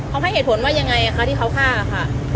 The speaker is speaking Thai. เขาให้เหตุผลว่ายังไงคะที่เขาฆ่าค่ะ